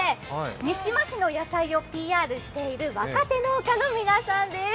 三島市の野菜をＰＲしている若手農家の皆さんです。